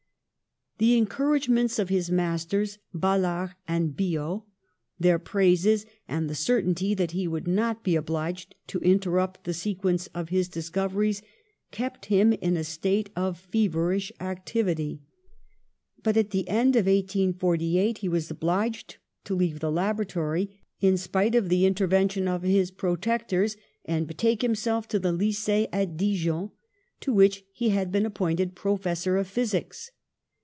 The encouragements of his masters, Balard and Biot, their praises, and the certainty that he would not be obliged to interrupt the se quence of his discoveries kept him in a state of feverish activity. But at the end of 1848 he was obliged to leave the laboratory, in spite of the intervention of his protectors, and betake himself to the Lycee at Dijon, to which he had been appointed professor of physics.